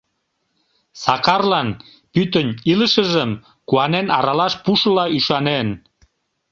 Сакарлан пӱтынь илышыжым куанен аралаш пушыла ӱшанен.